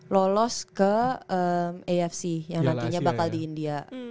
lolos ke afc yang nantinya bakal di india